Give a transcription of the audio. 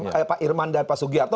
kayak pak irman dan pak sugiarto